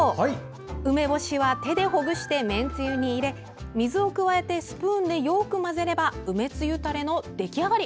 梅干しは手でほぐしてめんつゆに入れ水を加えてスプーンでよく混ぜれば梅つゆタレの出来上がり。